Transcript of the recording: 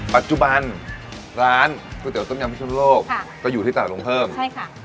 ปัจจุบันร้านก๋วยเตี๋ยต้มยำพิสุนโลกค่ะก็อยู่ที่ตลาดลงเพิ่มใช่ค่ะ